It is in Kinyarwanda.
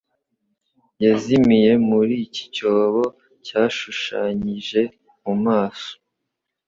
yazimiye muri iki cyobo cyashushanyije mu maso